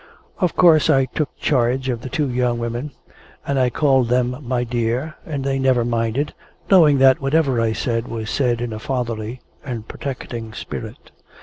Of course I took charge of the two young women, and I called them "my dear," and they never minded, knowing that whatever I said was said in a fatherly and protecting spirit.